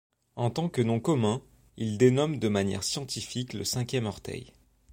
En tant que nom commun, il dénomme de manière scientifique le cinquième orteil.